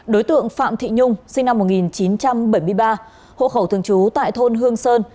đối tượng phạm thị nhung sinh năm một nghìn chín trăm bảy mươi ba hộ khẩu thường trú tại thôn hương sơn